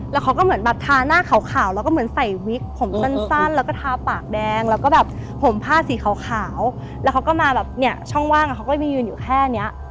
แล้วเขาก็เหมือนแบบทาหน้าขาวแล้วก็เหมือนใส่วิกผมสั้นแล้วก็ทาปากแดงแล้วก็แบบห่มผ้าสีขาวแล้วเขาก็มาแบบเนี่ยช่องว่างเขาก็ยังยืนอยู่แค่เนี้ย